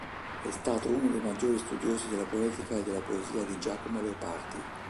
È stato uno dei maggiori studiosi della poetica e della poesia di Giacomo Leopardi.